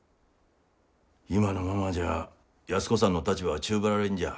今のままじゃあ安子さんの立場は宙ぶらりんじゃあ。